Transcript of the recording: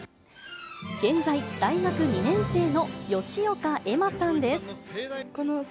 現在、大学２年生の吉岡恵麻さんです。